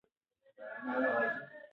د ټولنپوهنې په چوکاټ کې څه شامل دي؟